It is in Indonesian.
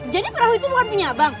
jadi perahu itu bukan punya abang